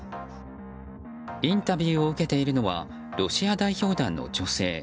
インタビューを受けているのはロシア代表団の女性。